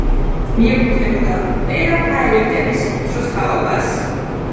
მიეკუთვნებოდა პრერაფაელიტების უმცროს თაობას.